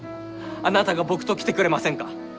あなたが僕と来てくれませんか？